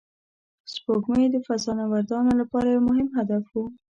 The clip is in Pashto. سپوږمۍ د فضانوردانو لپاره یو مهم هدف و